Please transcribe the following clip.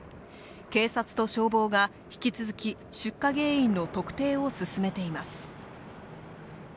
警察と消防が引き続き、出火原因の特定を進めています。